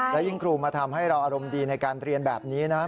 และยิ่งครูมาทำให้เราอารมณ์ดีในการเรียนแบบนี้นะครับ